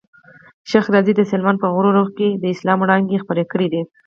شېخ رضي د سلېمان په غرو رغو کښي د اسلام وړانګي خپرې کړي دي.